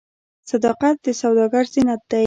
صداقت د سوداګر زینت دی.